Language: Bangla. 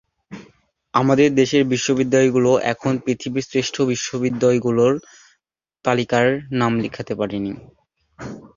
আমাদের দেশের বিশ্ববিদ্যালয়গুলো এখনো পৃথিবীর শ্রেষ্ঠ বিশ্ববিদ্যালয়গুলোর তালিকায় নাম লেখাতে পারেনি।